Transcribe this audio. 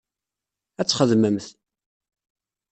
Ad txedmemt.